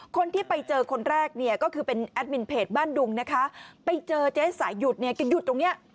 คนที่ไปเจอคนแรกก็คือเป็นแอดมินเพจบ้านดุงนะคะไปเจอเจ๊สายุดแกหยุดตรงนี้